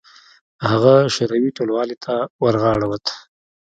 هغه شوروي ټلوالې ته ورغاړه وت.